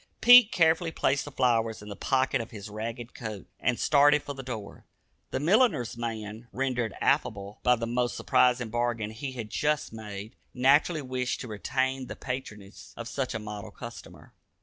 Pete carefully placed the flowers in the pocket of his ragged coat, and started for the door. The milliner's man, rendered affable by the most surprising bargain he had just made, naturally wished to retain the patronage of such a model customer.